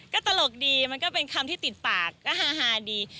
ก็ตลกดีมันก็เป็นคำที่ติดปากก็ฮาดี